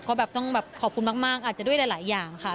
ก็แบบต้องแบบขอบคุณมากอาจจะด้วยหลายอย่างค่ะ